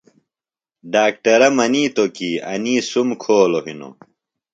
ڈاکٹرہ منِیتو کی انی سُم کھولوۡ ہنوۡ۔